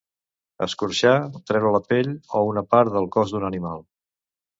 escorxar: treure la pell o una part del cos d'un animal